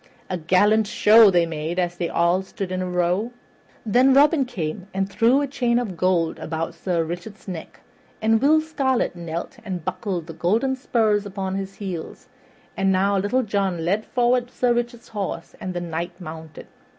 A gallant show they made as they stood all in a row. Then Robin came and threw a chain of gold about Sir Richard's neck, and Will Scarlet knelt and buckled the golden spurs upon his heel; and now Little John led forward Sir Richard's horse, and the Knight mounted.